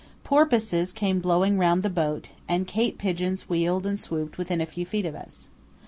Porpoises came blowing round the boat, and Cape pigeons wheeled and swooped within a few feet of us.